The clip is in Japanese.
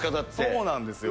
そうなんですよ。